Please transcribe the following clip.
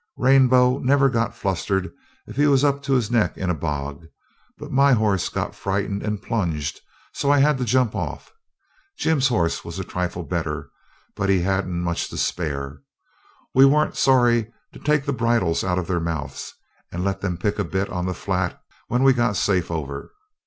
Rainbow never got flustered if he was up to his neck in a bog, but my horse got frightened and plunged, so that I had to jump off. Jim's horse was a trifle better, but he hadn't much to spare. We weren't sorry to take the bridles out of their mouths and let them pick a bit on the flat when we got safe over.